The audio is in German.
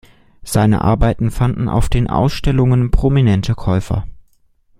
Seine Arbeiten fanden auf den Ausstellungen prominente Käufer.